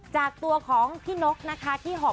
จากตัวของพี่นกนะคะที่หอบ